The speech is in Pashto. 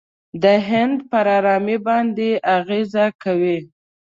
د هند پر آرامۍ باندې اغېزه کوي.